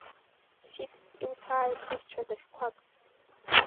Сиҭ, иуҭааит сасцәа дахьқәак…